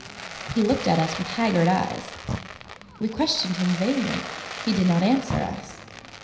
He looked at us with haggard eyes. We questioned him vainly; he did not answer us.